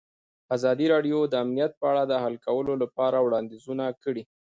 ازادي راډیو د امنیت په اړه د حل کولو لپاره وړاندیزونه کړي.